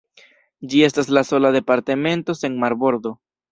Ĝi estas la sola departemento sen marbordo.